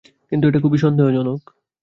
কিন্তু এটা খুবই সন্দেহজনক।